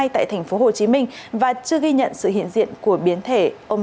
tại tp hcm và chưa ghi nhận sự hiện diện của biến thể